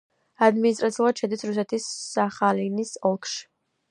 ადმინისტრაციულად შედის რუსეთის სახალინის ოლქში.